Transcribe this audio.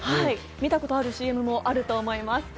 見たことあるＣＭもあると思います。